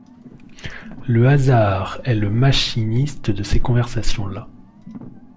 Le hasard est le machiniste de ces conversations-là.